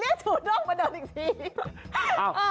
เรียกจูด้งมาเดินอีกที